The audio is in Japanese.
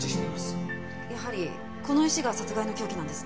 やはりこの石が殺害の凶器なんですね。